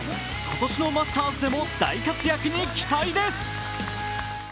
今年のマスターズでも大活躍に期待です。